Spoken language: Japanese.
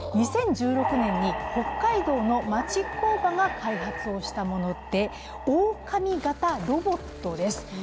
２０１６年に北海道の町工場が開発をしたものでおおかみ型ロボットです。